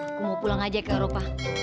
aku mau pulang aja ke eropa